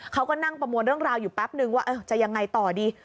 เขาก็นั่งประมวลเรื่องราวอยู่แป๊บนึงว่าจะยังไงต่อดี